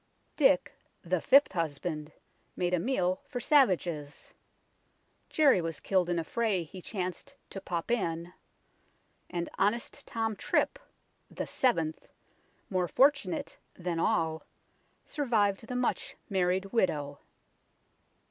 Dick, the fifth husband, made a meal for savages ; Jerry was killed in a fray he chanced " to pop in "; and " honest Tom Trip," the seventh, more fortunate than all, survived the much married widow.